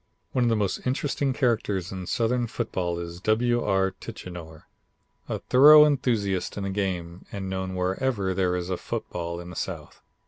One of the most interesting characters in Southern football is W. R. Tichenor, a thorough enthusiast in the game and known wherever there is a football in the South.